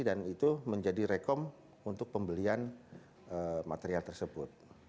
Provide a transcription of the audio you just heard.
dan itu menjadi rekom untuk pembelian material tersebut